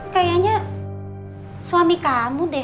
kayaknya suami kamu deh